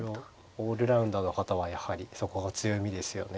オールラウンダーの方はやはりそこが強みですよね。